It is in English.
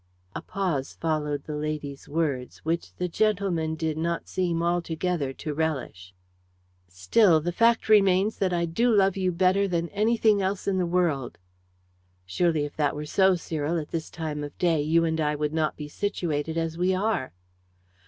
A pause followed the lady's words, which the gentleman did not seem altogether to relish. "Still the fact remains that I do love you better than anything else in the world." "Surely if that were so, Cyril, at this time of day you and I would not be situated as we are."